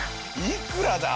いくらだ？